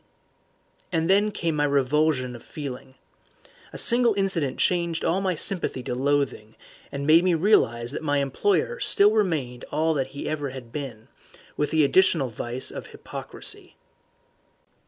And then came my revulsion of feeling. A single incident changed all my sympathy to loathing, and made me realize that my employer still remained all that he had ever been, with the additional vice of hypocrisy.